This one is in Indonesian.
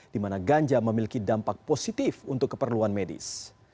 di mana ganja memiliki dampak positif untuk keperluan medis